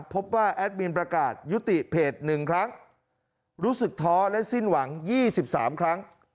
แอดมินประกาศยุติเพจ๑ครั้งรู้สึกท้อและสิ้นหวัง๒๓ครั้ง